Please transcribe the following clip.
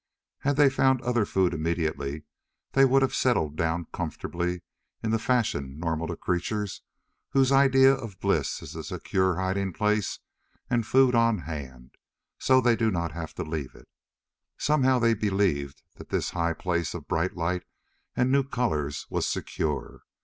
Had they found other food immediately, they would have settled down comfortably in the fashion normal to creatures whose idea of bliss is a secure hiding place and food on hand so they do not have to leave it. Somehow they believed that this high place of bright light and new colors was secure.